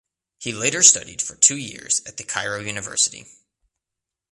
He later studied for two years at the Cairo University.